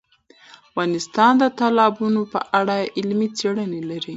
افغانستان د تالابونه په اړه علمي څېړنې لري.